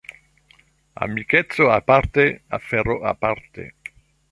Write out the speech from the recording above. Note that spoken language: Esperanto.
Amikeco aparte, afero aparte.